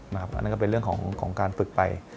แล้วก็เป็นเรื่องของการฝึกไป